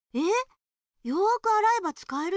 よくあらえばつかえるよ。